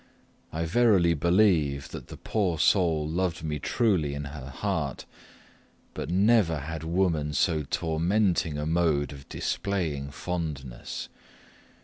I verily believe that the poor soul loved me truly in her heart, but never had woman so tormenting a mode of displaying fondness.